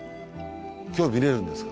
今日は見られるんですか。